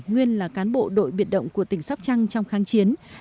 nguyên là cán bộ đội biệt động của tỉnh sóc trăng trong kháng chiến